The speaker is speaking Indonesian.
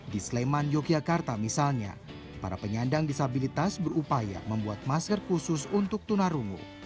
di sleman yogyakarta misalnya para penyandang disabilitas berupaya membuat masker khusus untuk tunarungu